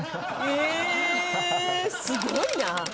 すごいな！